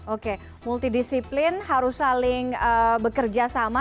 oke multidisiplin harus saling bekerja sama